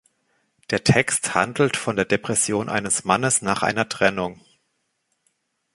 Der Text handelt von der Depression eines Mannes nach einer Trennung.